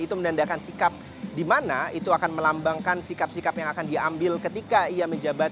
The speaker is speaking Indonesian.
itu menandakan sikap di mana itu akan melambangkan sikap sikap yang akan diambil ketika ia menjabat